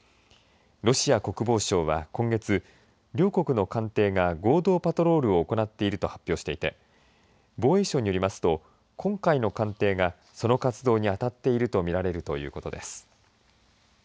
ロシア国防省は今月両国の艦艇が合同パトロールを行っていると発表していて防衛省によりますと今回の艦艇がその活動に当たっていると見られるということです。